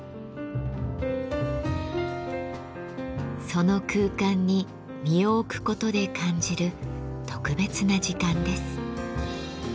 その空間に身を置くことで感じる特別な時間です。